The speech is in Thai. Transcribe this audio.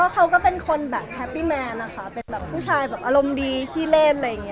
เขาก็เป็นคนแบบแฮปปี้แมนค่ะเป็นผู้ชายอารมณ์ดีชี้เล่น